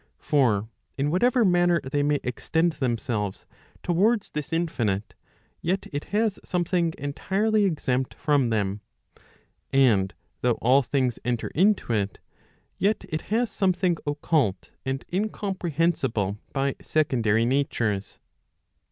For in whatever manner they may extend themselves towards Digitized by Google PROP. XCIV. XCV. OF THEOLOGY. 363 this infinite, yet it has something' entirely exempt from them. And though all things enter into it, yet it has something occult, and incompre¬ hensible by secondary natures.